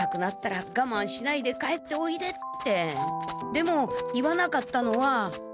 でも言わなかったのは。